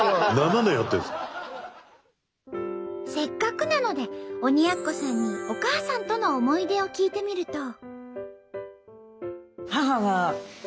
せっかくなので鬼奴さんにお母さんとの思い出を聞いてみると。